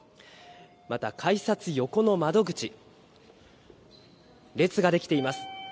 また改札横の窓口、列が出来ています。